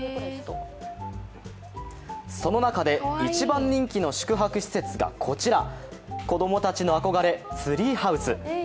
その中で一番人気の宿泊施設がこちら、子供たちの憧れツリーハウス。